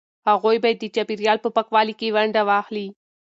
هغوی باید د چاپیریال په پاکوالي کې ونډه واخلي.